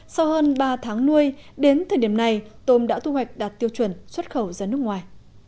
sau hơn ba tháng nuôi đến thời điểm này tôm đã thu hoạch đạt tiêu chuẩn xuất khẩu ra nước ngoài